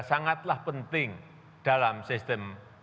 sangatlah penting dalam sistem ketatanegaraan kita